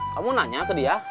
kamu nanya ke dia